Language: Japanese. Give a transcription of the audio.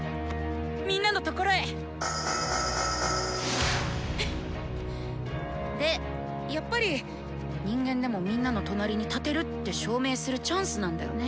みんなのところへ！でやっぱり人間でもみんなの隣に立てるって証明するチャンスなんだよね。